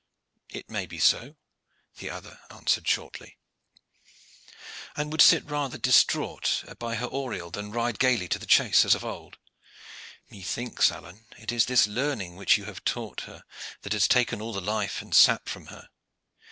"It may be so," the other answered shortly. "And would rather sit distrait by her oriel than ride gayly to the chase as of old. Methinks, Alleyne, it is this learning which you have taught her that has taken all the life and sap from her.